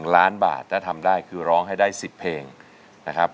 ๑ล้านบาทถ้าทำได้คือร้องให้ได้๑๐เพลงนะครับ